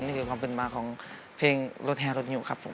นี่คือความเป็นมาของเพลงรถแฮรถนิวครับผม